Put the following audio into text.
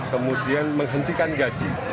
kemudian menghentikan gaji